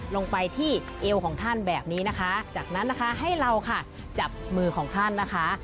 ลงไปที่เอวของท่านแบบนี้นะคะจากนั้นนะคะให้เราค่ะจับมือของท่านนะคะ